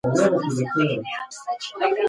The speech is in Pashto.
ریښتینولي ور زده کړئ.